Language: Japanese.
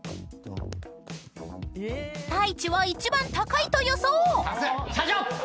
［太一は一番高いと予想！］